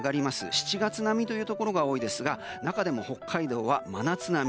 ７月並みというところが多いですが、中でも北海道は真夏並み。